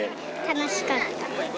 楽しかった。